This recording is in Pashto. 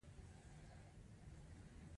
والسلام، زه ستاسو ورور او ژباړن اسدالله غضنفر یم.